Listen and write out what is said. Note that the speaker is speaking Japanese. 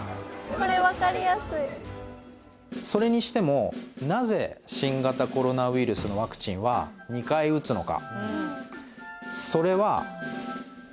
それにしてもなぜ新型コロナウイルスのワクチンは２回打つのか？